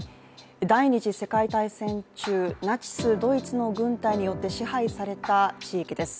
第二次世界大戦中ナチス・ドイツの軍隊によって支配された地域です。